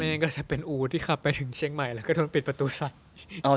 นี่ก็จะเป็นอู่ที่ขับไปถึงเชียงใหม่แล้วก็โทรปิดประตูสัตว์